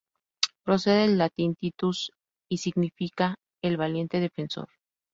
Procede del latín Titus y significa "El valiente defensor".